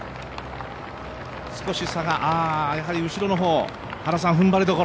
少し差が、やはり後ろの方、踏ん張りどころ。